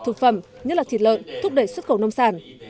thực phẩm nhất là thịt lợn thúc đẩy xuất khẩu nông sản